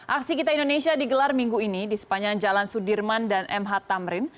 aksi kita indonesia digelar minggu ini di sepanjang jalan sudirman dan mh tamrin